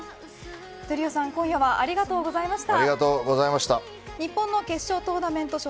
闘莉王さん、今夜はありがとうございました。